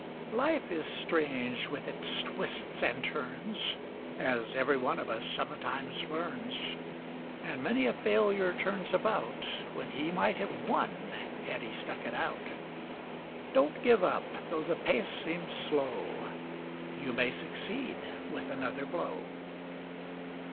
Life is queer with its twists and turns, As every one of us sometimes learns. And many a failure turns about When he might have won had he stuck it out; Don't give up, though the pace seems slow— You may succeed with another blow.